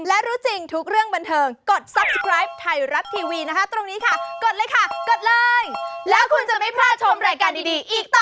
เลขที่บัญชี๗๔๒๐๓๗๘๑๑๘